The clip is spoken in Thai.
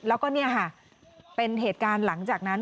แล้วก็เนี่ยค่ะเป็นเหตุการณ์หลังจากนั้น